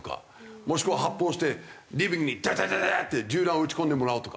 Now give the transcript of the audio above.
もしくは発砲してリビングにダダダダって銃弾を撃ち込んでもらうとか。